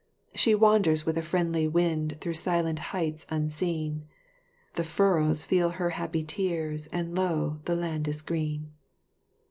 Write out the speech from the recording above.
She wanders with a friendly wind through silent heights unseen, The furrows feel her happy tears, and lo, the land is green!"